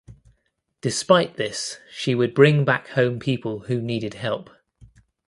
Despite this she would bring back home people who needed help.